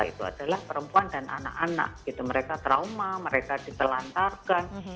itu adalah perempuan dan anak anak gitu mereka trauma mereka ditelantarkan